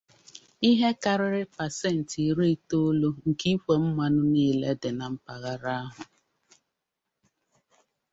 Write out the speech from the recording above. ihe karịrị pacent iri itoolu nke ikwe mmanụ niile dị na mpaghara ahụ.